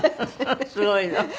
すごいの。